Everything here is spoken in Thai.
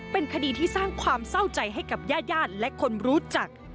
เป็นคดีที่สร้างความเศร้าใจให้กับญาติญาติและคนรู้จัก